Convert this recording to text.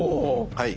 はい。